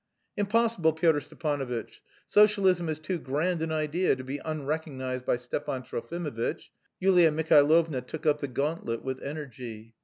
"Impossible, Pyotr Stepanovitch! Socialism is too grand an idea to be unrecognised by Stepan Trofimovitch." Yulia Mihailovna took up the gauntlet with energy.